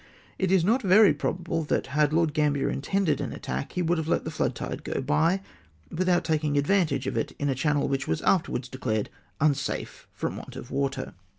It is not very probable that, had Lord Gambier intended an attack, he would have let the flood tide go by, without taking advantage of it in a channel which was afterwards declared unsafe from want of water